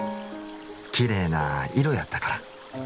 キレイな色やったから。